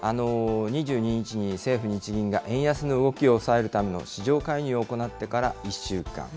２２日に、政府・日銀が円安の動きを抑えるための市場介入を行ってから１週間。